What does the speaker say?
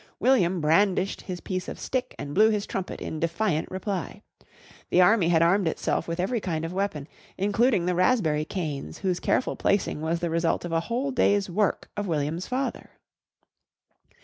William brandished his piece of stick and blew his trumpet in defiant reply. The army had armed itself with every kind of weapon, including the raspberry canes whose careful placing was the result of a whole day's work of William's father.